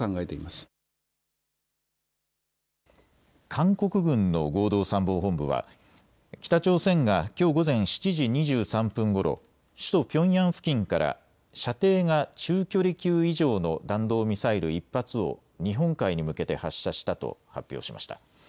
韓国軍の合同参謀本部は北朝鮮がきょう午前７時２３分ごろ、首都ピョンヤン付近から射程が中距離級以上の弾道ミサイル１発を日本海に向けて発射したと発表しました。